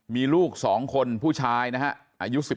มีลูกสองคนผู้ชายนะฮะ